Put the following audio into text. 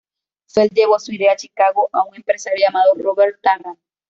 Felt llevó su idea a Chicago, a un empresario llamado Robert Tarrant.